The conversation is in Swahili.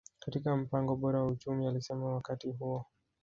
katika mpango bora wa uchumi alisema wakati huo